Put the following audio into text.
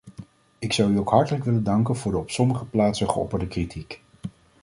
Ik zou u ook hartelijk willen danken voor de op sommige plaatsen geopperde kritiek.